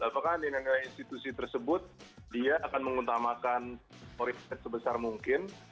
apakah nilai nilai institusi tersebut dia akan mengutamakan orientasi sebesar mungkin